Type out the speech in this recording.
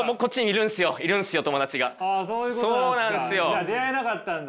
じゃあ出会えなかったんだ。